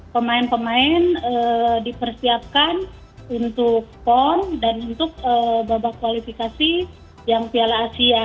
pemain pemain dipersiapkan untuk pon dan untuk babak kualifikasi yang piala asia